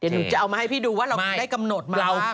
เดี๋ยวหนูจะเอามาให้พี่ดูว่าเราได้กำหนดมา